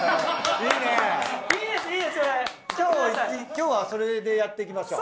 今日はそれでやっていきましょう。